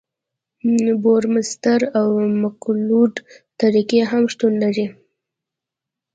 د بورمستر او مکلوډ طریقې هم شتون لري